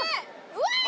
うわ！